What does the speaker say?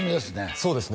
そうですね